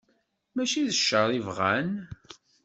Mačči d cceṛ i bɣan.